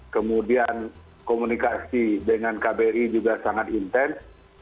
kemudian komunikasi dengan kbri juga sangat intens